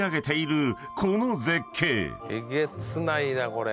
えげつないなこれ。